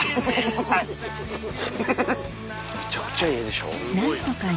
めちゃくちゃいいでしょ？